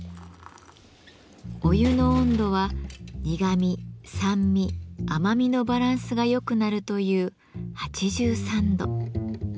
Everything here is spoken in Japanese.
お湯の温度は苦み酸味甘みのバランスが良くなるという８３度。